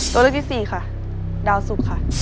ตัวเลือกที่สี่ค่ะดาวสุกค่ะ